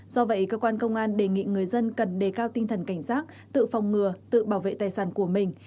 do vậy cơ quan công an đề nghị người dân cần đề cao tinh thần cảnh giác tự phòng ngừa tự bảo vệ tài sản của mình